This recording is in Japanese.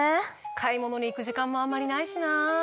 買い物に行く時間もあんまりないしなぁ。